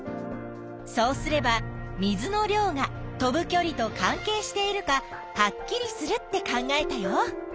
そうすれば「水の量」が飛ぶきょりと関係しているかはっきりするって考えたよ。